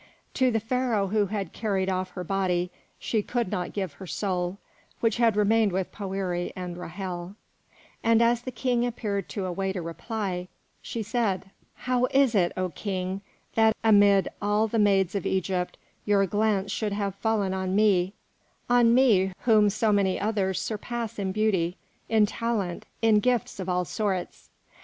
To the Pharaoh who had carried off her body she could not give her soul, which had remained with Poëri and Ra'hel; and as the King appeared to await a reply, she said, "How is it, O King, that amid all the maids of Egypt your glance should have fallen on me, on me whom so many others surpass in beauty, in talent, in gifts of all sorts?